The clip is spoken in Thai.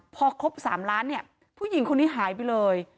พอครบ๓ล้านเนี่ยผู้หญิงคนนี้หายไปเลย